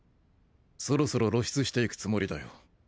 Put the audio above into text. そろそろ露出していくつもりだよ。